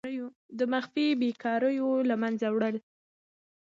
د مخفي بیکاریو له منځه وړل.